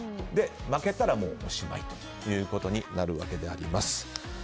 負けたら、もうおしまいということになるわけであります。